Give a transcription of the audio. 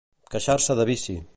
Queixar-se de vici.